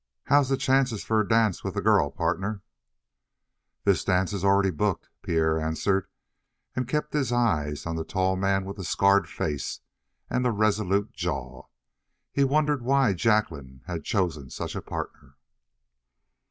"How's the chances for a dance with the girl, partner?" "This dance is already booked," Pierre answered, and kept his eyes on the tall man with the scarred face and the resolute jaw. He wondered why Jacqueline had chosen such a partner.